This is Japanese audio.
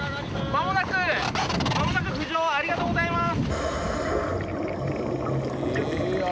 まもなく浮上、ありがとうございます。